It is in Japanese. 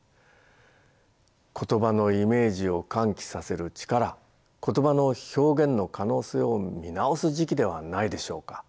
言葉のイメージを喚起させる力言葉の表現の可能性を見直す時期ではないでしょうか。